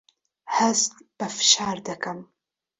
هەست بە فشار دەکەم.